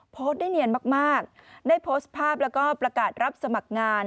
โพสต์ได้เนียนมากได้โพสต์ภาพแล้วก็ประกาศรับสมัครงาน